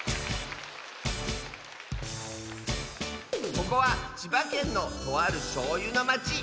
ここは千葉県のとあるしょうゆのまち。